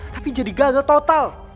tapi jadi gagal total